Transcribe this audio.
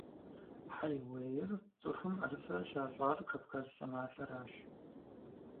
Хьэиуейр цӀыхум Ӏэрысэ щащӀар Кавказ щӀыналъэращ.